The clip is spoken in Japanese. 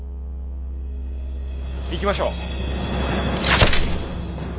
行きましょう。